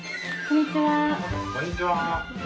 こんにちは。